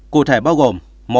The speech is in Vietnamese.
cụ thể bao gồm một